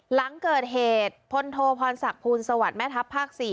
หลังเกิดเหตุพลโทพรศักดิ์ภูลสวัสดิ์แม่ทัพภาค๔